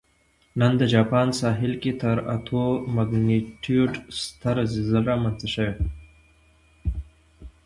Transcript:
نن د جاپان ساحل کې تر اتو مګنیټیوډ ستره زلزله رامنځته شوې